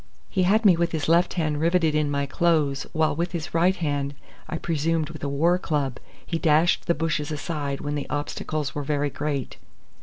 He had me with his left hand riveted in my clothes while with his right hand, I presumed with a war club, he dashed the bushes aside when the obstacles were very great.